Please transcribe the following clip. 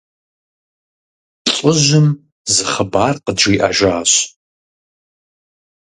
ЛӀыжьым зы хъыбар къыджиӀэжащ.